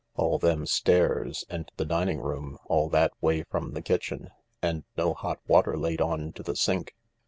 All them stairs, and the dining room all that way from the kitchen, and no hot water laid on to the sink.